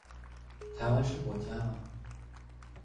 台灣是國家嗎